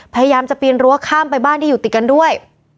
พยายามจะปีนรั้วข้ามไปบ้านที่อยู่ติดกันด้วย